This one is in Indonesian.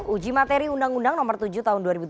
uji materi undang undang nomor tujuh tahun dua ribu tujuh belas